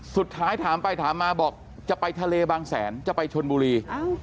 ถามไปถามมาบอกจะไปทะเลบางแสนจะไปชนบุรี